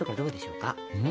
うん？